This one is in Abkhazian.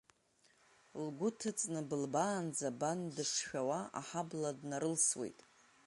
Лгәы ҭыҵны, былбаанӡа бан дышшәауа, аҳабла днарылсуеит.